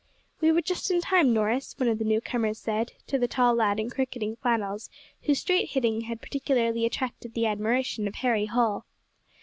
"We were just in time, Norris," one of the new comers said to the tall lad in cricketing flannels whose straight hitting had particularly attracted the admiration of Harry Holl.